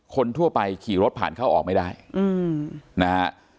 คนทั่วไปขี่รถผ่านเข้าออกไม่ได้นะฮะ